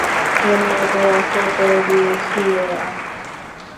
Generator off করে দিয়েছি আমি!